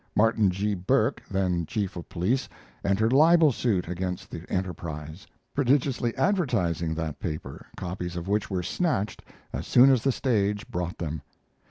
Martin G. Burke, then chief of police, entered libel suit against the Enterprise, prodigiously advertising that paper, copies of which were snatched as soon as the stage brought them.